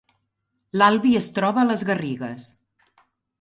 L’Albi es troba a les Garrigues